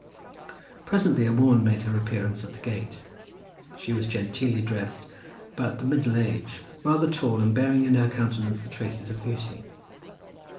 Presently a woman made her appearance at the gate; she was genteelly drest, about the middle age, rather tall, and bearing in her countenance the traces of beauty.